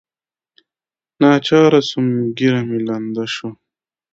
ناچاره سوم ږيره مې لنډه کړه.